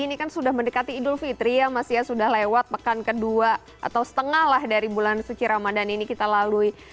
ini kan sudah mendekati idul fitri ya mas ya sudah lewat pekan kedua atau setengah lah dari bulan suci ramadan ini kita lalui